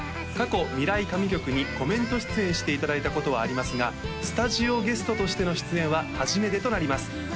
過去未来神曲にコメント出演していただいたことはありますがスタジオゲストとしての出演は初めてとなります